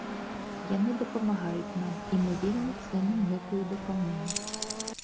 Яны дапамагаюць нам, і мы вельмі цэнім гэтую дапамогу.